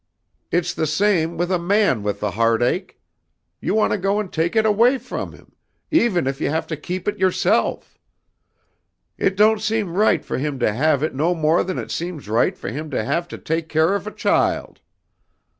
"It's the same with a man with the heartache. You want to go and take it away from him, even if you have to keep it yourself. It don't seem right for him to have it no more than it seems right for him to have to take care of a child.